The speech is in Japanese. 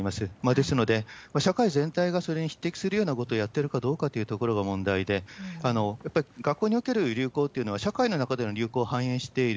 ですので、社会全体がそれに匹敵するようなことをやってるかどうかということも問題で、やっぱり学校における流行というのは、社会の中での流行を反映している。